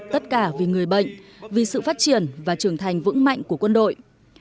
tất cả vì người bệnh vì sự phát triển và trưởng thành vững mạnh của quân đội